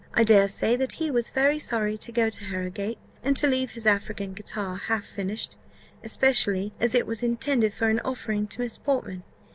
I dare say that he was very sorry to go to Harrowgate, and to leave his African guitar half finished; especially as it was intended for an offering to Miss Portman.